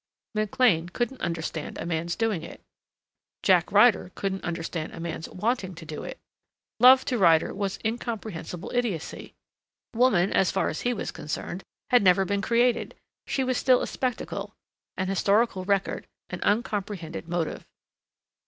McLean couldn't understand a man's doing it. Jack Ryder couldn't understand a man's wanting to do it. Love to Ryder was incomprehensible idiocy. Woman, as far as he was concerned, had never been created. She was still a spectacle, an historical record, an uncomprehended motive.